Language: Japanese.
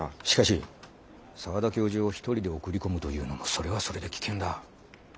しかし澤田教授を一人で送り込むというのもそれはそれで危険だ。